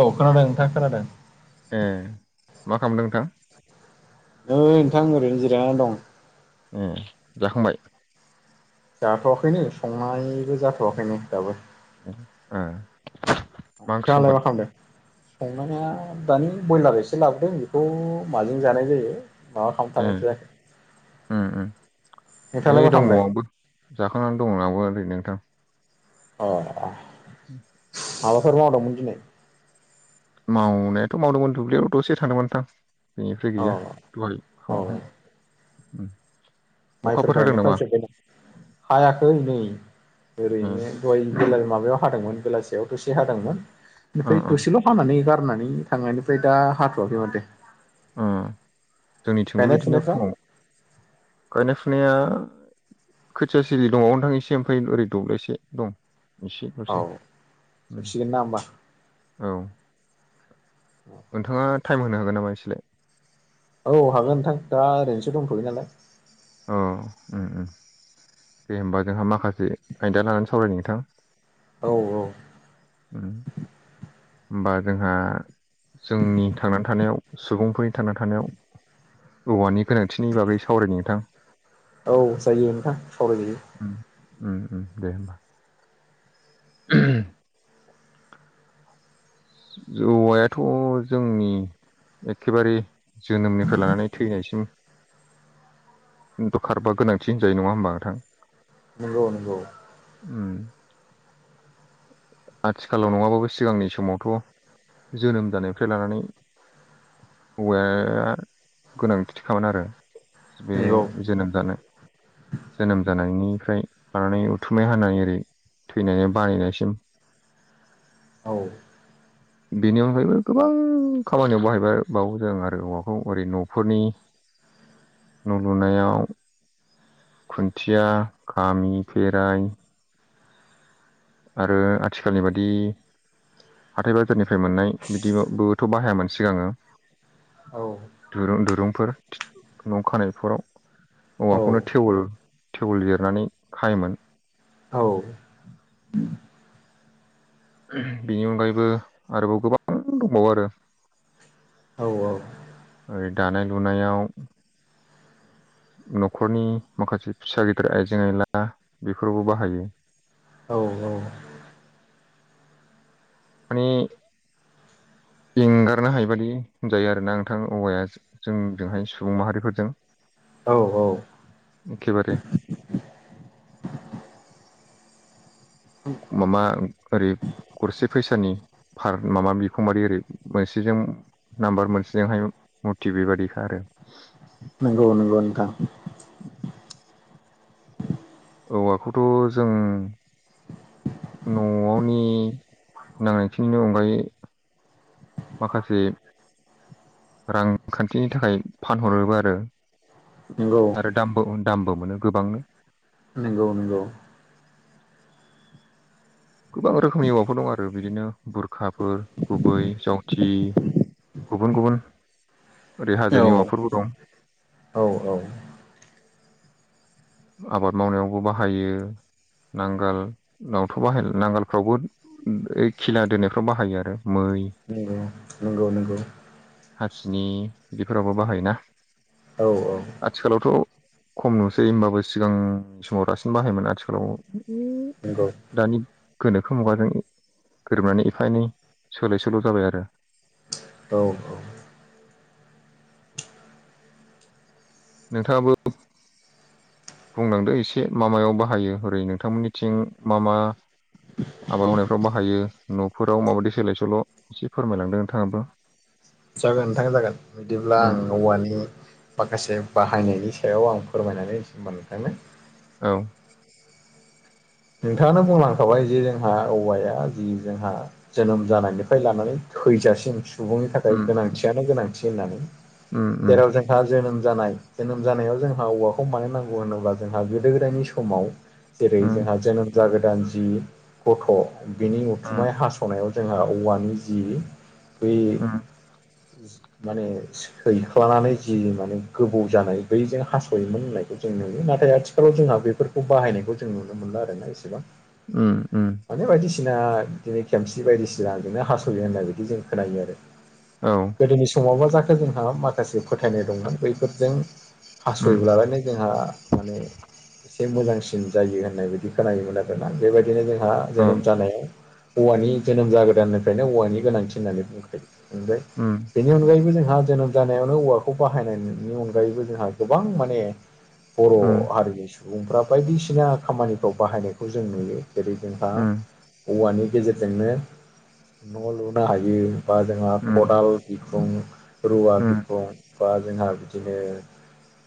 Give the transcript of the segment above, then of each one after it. औ खोनादों नोंथां खोनादों। ओ मा खालामदों नोंथां? नै नोंथां ओरैनो जिरायनानै दं। ए जाखांबाय जाथ'वाखैनो संनायबो जाथ'वाखैनो दाबो ओ ओंख्रि नोंथाङालाय संगोन मा खालामदों संनाया दानि ब्रयलार एसे लाबोदों बेखौ माजों जानाय जायो माबा ए खालामथारसै उम उम नै नोंथाङालाय मा दङ खालामदों आंबो जाखांनानै दं मोन आंबो ओरैनो नोंथां अ-अ [inaudible] माबाफोर मावदोंमोन दिनै मावनायाथ' मावदोंमोन दुब्लियाव' दसे थांदोंमोन नोंथां बेनिफ्राय अ गैया दहाय औ संनाय माइफोर गायनायफ्रा जोबबाय नामा हायाखै नै उम ओरैनो दहाय बेला माबायाव हादोंमोन बेलासियाव दसे हादोंमोन उम ओमफ्राय उम दसेल' हानानै गारनानै थांनायनिफ्राय दा हाथ'वाखै माथो जोंनिथिंबो गायनाय बिदिनो फुनायफ्रा फुङाव गायनाय फुनाया खोथिया सिलि दंबावो नोथां एसे ओमफ्राय ओरै दब्लायसे दं एसे औ दसे उम जोबसिगोन ना होमबा औ नोंथांङा टाइम होनो हागोन नामा इसेलाय औ हागोन नोंथां दा ओरैनोसो दंथ'यो नालाय औ ओम दे होमबा जोंहा माखासे आयदा लानानै सावरायदों नोंथां औ-औ होमबा जोंहा जोंनि थांनानै थानायाव सुबुंफोरनि थांना थानायाव औवानि गोनांथिनि बागै सावरायनो नोंथां औ जायो नोंथां सावराय जायो उम-उम-उम दे होमबा [unintelligible] औवायाथ' जोंनि एखेबारे जोनोमनिफ्राय लानानै थैनायसिम दरखारबा गोनांथि होनजायो नंङा होमबा नोंथां नंगौ नंगौ ओम आथिखालाव नंङाबाबो सिगांनि समावथ' जोनोम जानायफ्राय लानानै औवाया गोनांथिखामोन आरो बे नंगौ जोनोम जानो जोनोम जानायनिफ्राय लानानै उथुमै हानानै ओरै थैनाय बाहायनायसिम औ बेनि अनगायैबो गोबां खामानियाव बाहायबाय बावो जों आरो औवाखौ ओरै न'फोरनि न' लुनायाव खुन्थिया खामि फेराइ आरो आथिखालनि बादि हाथाय बाजारनिफ्राय मोननाय बिदि बाहायामोन सिगाङो औ दुं दिरुंफोरि न' खानायफोराव औ औवाखौनो टेवोल टेबोल जिरनानै खायोमोन औ बेनि अनगायैबो आरोबाव गोबां दंबावो आरो औ-औ ओ दानाय लुनायाव न'खरनि माखासे फिसा गिदिर आइजें आयला बेफोरावबो बाहायो औ औ माने एंगारनो हायि बादि होनजायो आरोना नोंथां औवाया जोंजोंहाय सुबुं माहारिफोरजों औ औ एखेबारे मामा ओरै गरसे फैसानि फार माबा बिखंबादि ओरै मोनसेजों नाम्बार मोनसेजोंहाय मुरथि बेबादिखा आरो नंगौ नंगौ नोंथां औवाखौथ' जों न'आवनि नांनायखिनिनि अनगायै माखासे रांखान्थिनि थाखाय फानहरोबो आरो नोंगौ आरो दामबो उम दामबो मोनो गोबांनो। औ नंगौ गोबां रोखोमनि औवाफोर दं आरो बिदिनो बुरखाफोर गुबै जगथि गुबुन गुबुन ओरै औ हाजोनि हौवाफोरबो दं। औ औ आबाद मावनायावबो बाहायो नांगोल नवाथ' बाहाय नांगोलफ्रावबो ओइ खिला दोनायफ्राव बाहायो आरो मै ओ नंगौ ओ नोंगौ हासिनि बिफोरावबो बाहायोना औ औ आथिखालावथ' खम नुसै ओमबाबो सिगां समाव रासिन बाहायोमोन आथिखालाव नंगौ दानि गोनोखो मुगाजों गोरोबनानै एफा एनै सोलाय सोल' जाबाय आरो औ नोंथाङाबो बुंलांदो एसे मामायाव बाहायो ओरै नोंथांमोननिथिं मा मा आबाद मावनायफ्राव बाहायो न'फोराव माबायदि सोलाय सोल' एसे फोरमायलांदों नोंथाङाबो जागोन नोंथां जागोन बिदिब्ला उम आं औवानि माखासे बाहायनायनि सायाव आं फोरमायनानै ओमबा नोंथांनो औ नोंथाङानो बुंलांखाबाय जे जोंहा औवाया जि जोंहा जोनोम जानायनिफ्राय लानानै थैजासिम सुबुंनि थाखाय उम गोनांथियानो गोनांथि होननानै उम उम जेराव जों जोंहा जोनोम जानाय जोनोम जानायाव जोंहा औवाखौ मानो नांगौ होनोब्ला जोंहा गोदो गोदायनि समाव जेरै जोंहा जोनोम जागोदान जि गथ' बिनि उथुमाय हास' हासनायाव जोंहा औवानि जि बै उम माने सैख्लानानै जि माने गोबौ जानाय बैजों हास'योमोन होननायखौ जों नुयो नाथाय आथिखालाव जोंहा बे फोरखौ बाहायनायखौ जों नुनो मोनला आरोना एसेबां उम उम माने बायदिसिना बिदिनो खेमसि बायदिसिनाजोंनो हास'यो होननाय बिदि जों खोनायो आरो। औ गोदोनि समाव मा जाखो जोंहा माखासे फोथायनाय दंमोन बैफोरजों उम हास'योबालायनो जोंहा माने एसे मोजांसिन जायो होननाय बिायदि खोनायोमोन आरो। आरोना बेबायदिनो जोंहा औ जोनोम जानायाव औवानि जोनोम जागोदाननिफ्रायनो औवानि गोनांथि होननानै बुंखायो। नोंगो उम बेनि अनगायैबो जोंहा जोनोम जानायावनो औवाखौ बाहायनायनि अनगायैबो जोंहा गोबां माने बर' उम हारिनि सु बुंफ्रा बायदिसिना खामानिफ्राव बाहायनायखौ जों नुयो जेरै जोंहा उम औवानि गेजेरजोंनो न' लुनो हायो बा जोंहा उम खदाल बिखुं रुवा उम बिखुं बा जोंहा बिदिनो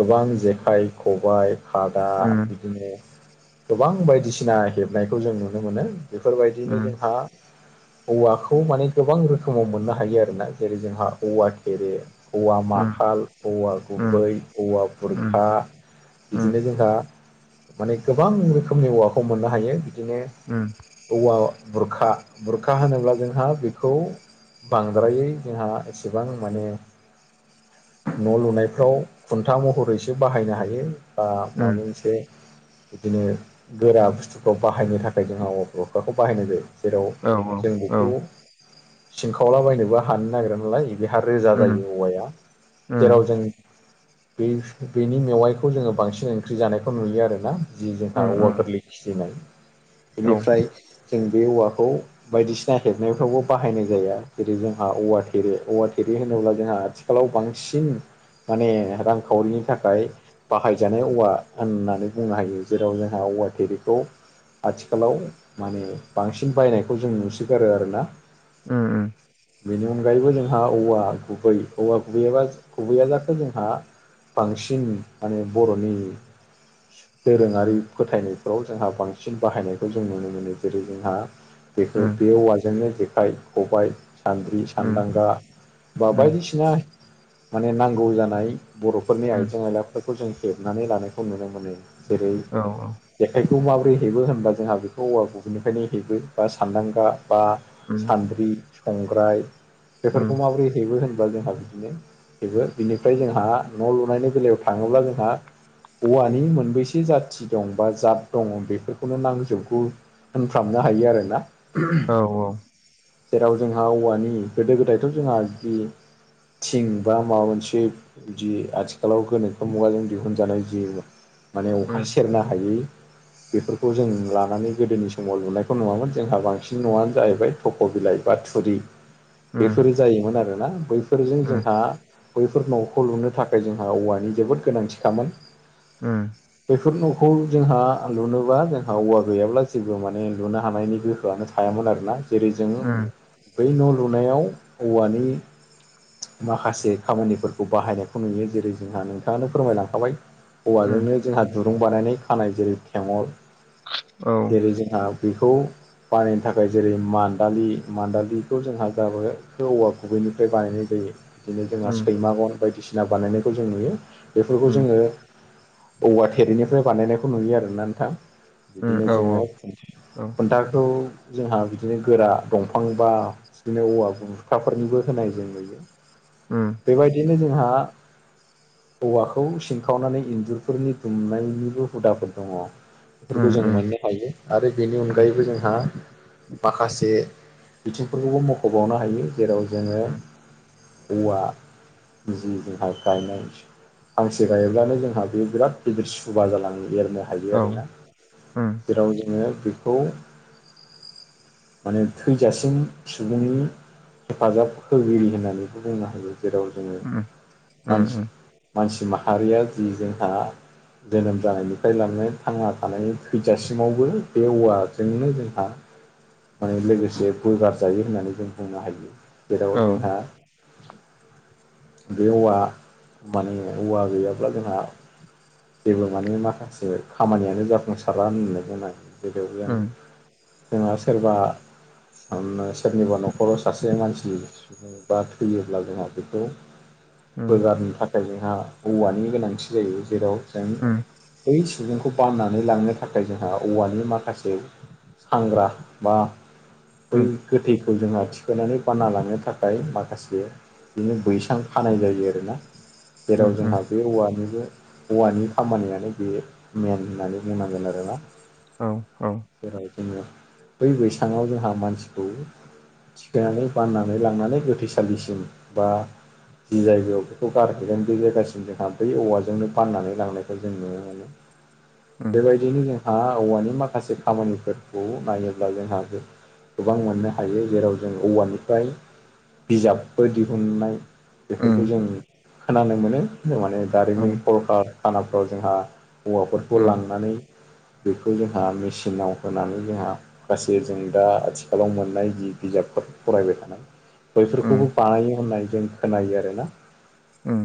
गोबां जेखाइ खबाय खादा उम बिदिनो गोबां बायदिसिना हेबनायखौ जों नुनो मोनो बेफोरबायदियैनो जोंहा औवाखौ माने गोबां रोखोमाव मोननो हायो आरोना जेरै जोंहा औवा थेरे औवा माखाल औवा गुबै औवा बुरखा उम बिदिनो जोंहा माने गोबां रोखोमनि औवाखौ मोननो हायो बिदिनो उम औवा बुरखा बुरखा होनोब्ला जोंहा बेखौ बांद्रायै जोंहा एसेबां माने न' लुनायफ्राव खुन्था महरैसो बाहायनो हायो ओ माबा मोनसे बिदिनो गोरा बुस्थुखौ बाहायनो थाखाय जोंहा अखाखौ बाहायनाय जायो जेराव उम औ औ उम औ उम औ उम औ उम औ उम औ उम जों बेखौ सिनखावलाबायनोबो हानो नागिरा नालाय बेहा रोजा जायो औवाया जेराव जों बे बेनि मेवाइखौ जोङो बांसिन ओंख्रि जानायखौ नुयो आरोना जि जोंहा औवा गोरलै फिनाय बेनिफ्राय जों बे औवाखौ बायदिसिना हेबनायफ्रावबो बाहायनाय जाया जेरै जोंहा औवा थेरे औवा थेरे होनोब्ला जोंहा आथिखाल आथिखालाव बांसिन माने रांखावरिनि थाखाय बाहायजानाय औवा होननानै बुंनो हायो जेराव जोंहा औवा थेरेखौ आथिखालाव माने बांसिन बायनायखौ जों नुसोगारो आरोना उम उम बेनि अनगायैबो जोंहा औवा गुबै औवा गुबैया गुबैया जाखो जोंहा बांसिन माने बर'नि दोरोङारि फोथायनायफ्राव जोंहा बांसिन बाहायनायखौ जों नुनो मोनो जेरै जोंहा बेखौ बे औवाजोंनो जेखाइ खबाय सान्द्रि सानदांगा बा बायदिसिना माने नांगौ जानाय बर'फोरनि आइजें आयलाफोरखौ जों हेबनानै लानायखौ नुनो मोनो जेरै जेखायखौ माबोरै हेबो होनबा जोंहा बेखौ औवा गुबैनिफ्रायनो हेबो बा सानदांगा बा सान्द्रि संग्राय बेफोरखौ माबोरै हेबो होनदों जोंहा बिदिनो जेबो बिनिफ्राय जोंहा न' लुनायनि बेलायाव थाङोब्ला जोंहा औवानि मोनबै एसे जाथि दं बा जात दङ बेफोरखौनो नांजोबगौ होनफ्रामनो हायो आरोना जेराव जोंहा औवानि गोदो गोदायथ' जोंहा बिदि थिं बा माबा मोनसे बिदि आथिखालाव गोनोखो मुगाजों दिहुनजानाय जि माने अखा सेरनो हायि बेफोरखौ जों लानानै गोदोनि समाव लुनायखौ नुमोन जोंहा बांसिन न'आनो जाहैबाय थख' बिलाइ बा थुरि [inaudible] बेफोरो जायोमोन आरोना बैफोरजों जोंहा बैफोर न'खौ लुनो थाखाय जोंहा औवानि जोबोद गोनांथिखामोन उम बेफोर न'खौ जोंहा लुनोबा जोंहा औवा गैयाब्ला जेबो माने लुनो हानायनि गोहोआनो थाया थायामोन आरो ना जेरै जों बै न' लुनायाव औवानि माखासे खामानिफोरखौ बाहायनायखौ नुयो जेरै जोंहा नोंथाङानो फोरमायलांखाबाय हौवाजोंनो जोंहा दुरुं बानायनाय खानाय जेरै थेंगल जेरै जोंहा बेखौ बानायनो थाखाय जेरै मान्दालि मान्दालिखौ जोंहा गाबखौ औवा गुबैनिफ्राय बानायनाय जायो। बिदिनो जोंहा सैमागन बायदिसिना बानायनायखौ जों नुयो बेफोरखौ जोङो औवा थेरैनिफ्राय बानायनायखौ नुयो आरोना नोंथां। बिदिनो जोङो खुन्थाखौ जोंहा बिदिनो गोरा दंफां बा बिदिनो औवा बुरखाफोरनिबो होनाय जोङो। उम। बेबादिनो जोंहा औवाखौ सिंखावनानै इन्जुर बे फोरनि दुमनायनिबो हुदाफोर दङ बेफोरखौ जों मोननो हायो। आरो बेनि उम अनगायैबो जोंहा माखासे बिथिंफोरखौबो मख'बावनो हायो। जेराव जोङो उम औवा जि जोंहा गायनाय फांसे गायोब्लानो जोंहा बे बिराद गिदिर सुबा जालां एरनो हायो औ आरोना उम जेराव जोङो बेखौ खौ माने थैजासिम सुबुंनि हेफाजाब होगिरि होननानैबो बुंनो हायो। जेराव जोङो उम उम उम मानसि मानसि माहारिया जि जोंहा जोनोम जानायनिफ्राय लानानै थांना थानायनि थैजासिमावबो बे औवाजोंनो जोंहा माने लोगोसे बोगार जायो होननानै जों बुंनो हायो ओ जेराव औ जोंहा बे औवा माने औवा गैयाब्ला जोंहा ओ जेब्ला माने माखासे खामानियानो जाफुंसारला होननो गोनां [unintelligible] उम जोंहा सोरबा सोरनिबा न'खराव सासे मानसि बा थैयोब्ला जोंहा बेखौ उम बोगारनो थाखाय जोंहा औवानि गोनांथि जायो जेराव जों उम बै सुबुंखौ बाननानै लांनो थाखाय जोंहा औवानि माखासे। सांग्रा बा बै उम गोथैखौ जोंहा थिखायनानै बाना लांनो थाखाय माखासे बिदिनो बैसां खानाय जायो आरोना उम जेराव उम जोंहा बे औवानिबो हौवानि खामानियानो बेयो मेन होननानै बुंनांगोन आरोना। औ औ। ओ जेरै जोङो बै बैसाङाव जोंहा मानसिखौ थिखोनानै बाननानै लांनानै गोथैसालिसिम बा ओ जि जायगायाव बेखौ गारहैगोन बे जायगासिम जोंहा बै औवाजों नो बाननानै लांनायखौ जों नुनो मोनो। ओम। बेबायदिनो जोंहा औवानि माखासे खामानिफोरखौ नायोब्ला जोंहाबो गोबां मोननो हायो जेराव जों औवानिफ्राय बिजाबफोर दिहुननाय बेफोरखौ उम जों खोनानो मोनो माने औ दारिमिन कलखारखानाफ्राव जोंहा हौवाफोरखौ उम लांनानै बेखौ जोंहा मेचिनाव होनानै जोंहाबो गासै जों दा आथिखालाव मोननाय जि बिजाबफोर फरायबाय थानाय। उम बैफोरखौबो बानायो होननानै जों खोनायो आरोना। ओम।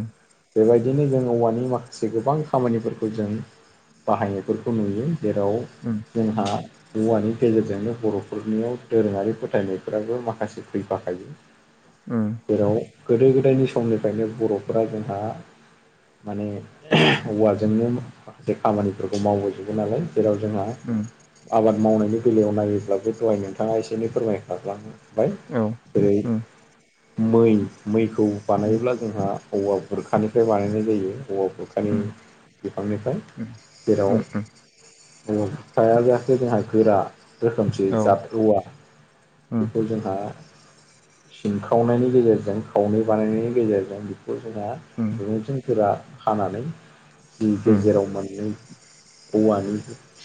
बेबादिनो जों औवानि मा से गोबां खामानिफोरखौ जों बाहायनायफोरखौ नुयो जेराव उम जोंहा औवानि गेजेरजोंबो बर'फोरनियाव दोरोङारि फोथायनायफोराबो माखासे फैफाखायो। उम। जेराव गोदो गोदायनि समनिफ्रायनो बर'फोरा जोंहा माने औवाजोंनो माखासे खामानिफोरखौ मावबोजोबो नालाय जेराव जोंहा उम आबाद मावनायनि बेलायाव नायोब्ला बे दहाय नोंथाङा एसे एनै फोरमाय खाबाय जेरै उम औ उम औ उम औ उम औ औ मै मैखौ बानायोब्ला जोंहा औवा बुरखानिफ्राय बानायनाय जायो हौवा बुरखा नि बिफांनिफ्राय जेराव ज [unintelligible] थाय गैयाखै जोंहा गोरा रोखोमसे जाद औवा बेखौ जोंहा सिनखावनायनि गेजेरजों खावनै बानायनायनि गेजेरजों बेखौ जोंहा [unintelligible] गोरा खानानै जि गेजेराव मोननै औवानि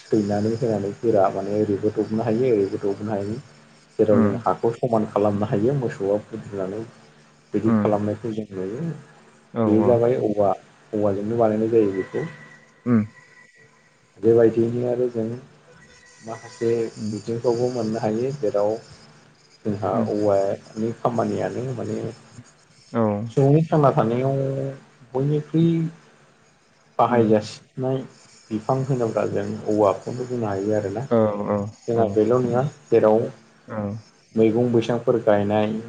सैनानै होनानै गोरा माने ओरैबो दबनो हायो ओरैबो दबनो हायो जेराव जों हाखौ समान खालामनो हायो मोसौआ बुद्रुनानै बिदि खालामनायखौ जों बे जाबाय औवा औवाजोंनो बानायनाय जायो बेखौ ओम बेबायदिनो आरो जों माखासे बिजों खौबो मोननो हायो जेराव जोंहा औवानि खामानियानो माने सुबुंनि थांना थानायाव बयनिख्रुइ बाहायजासिननाय बिफां होनोब्ला जों औवाखौनो बुंनो हायो आरोना औ जोंहा बेल' उम नङा जेराव औ मैगं बैसांफोर गायनाय